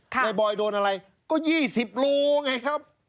ในบอยโดนอะไรก็๒๐กรัมไงครับ